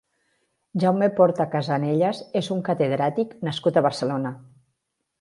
Jaume Porta Casanellas és un catedràtic nascut a Barcelona.